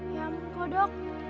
ya ampun kodok